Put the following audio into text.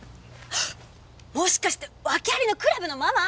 あっもしかしてわけありのクラブのママ？